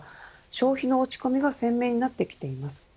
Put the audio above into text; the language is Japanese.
消費の落ち込みが鮮明になってきています。